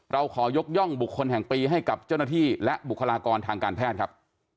เราขอยกย่องบุคคลแห่งปีให้กับเจ้าหน้าที่และบุคลากรทางการแพทย์ครับ